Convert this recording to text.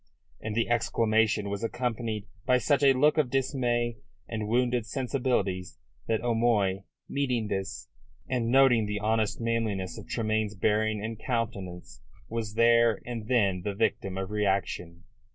And the exclamation was accompanied by such a look of dismay and wounded sensibilities that O'Moy, meeting this, and noting the honest manliness of Tremayne's bearing and countenance; was there and then the victim of reaction.